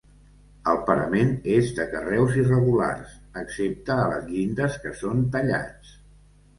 El parament és de carreus irregulars, excepte a les llindes que són tallats.